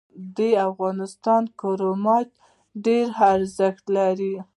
د افغانستان کرومایټ ډیر ارزښت لري